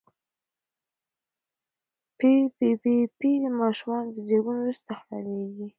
پي پي پي د ماشوم زېږون وروسته خپرېږي.